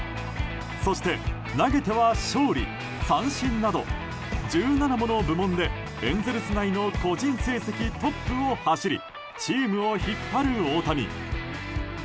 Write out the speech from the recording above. そして投げては勝利、三振など１７もの部門でエンゼルス内の個人成績トップを走りチームを引っ張る大谷。